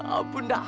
ya ampun dah